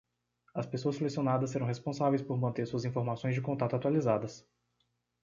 As pessoas selecionadas serão responsáveis por manter suas informações de contato atualizadas.